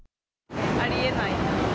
ありえない。